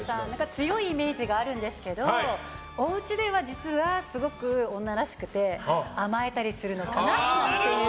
強いイメージがあるんですけどおうちでは実はすごく女らしくて甘えたりするのかなっていう。